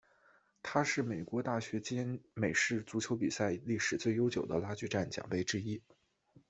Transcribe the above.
它是美国大学间美式足球比赛历史最悠久的拉锯战奖杯之一。